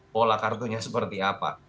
pola kartunya seperti apa